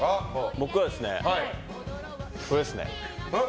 僕は、これですね。